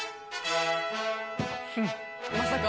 まさか。